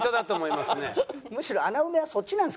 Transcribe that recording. むしろ穴埋めはそっちなんですけどね。